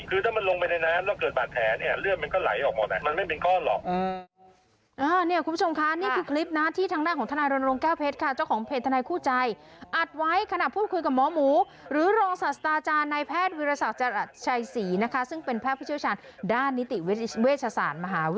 แกบอกไม่ได้คือถ้ามันลงไปในน้ำแล้วเกิดบาดแผล